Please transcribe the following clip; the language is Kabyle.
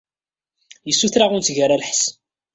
Yessuter-aɣ ur netteg ara lḥess.